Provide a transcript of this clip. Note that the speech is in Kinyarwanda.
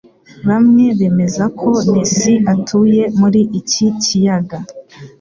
Bamwe bemeza ko Nessie atuye muri iki kiyaga